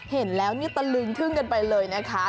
เห็นแล้วนี่ตะลึงทึ่งกันไปเลยนะคะ